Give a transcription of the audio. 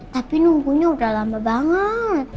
tapi nunggunya udah lama banget